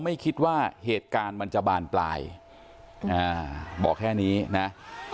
ไม่คิดว่าเหตุการณ์มันจะบานตายบอกแค่นี้นะเฮ้ย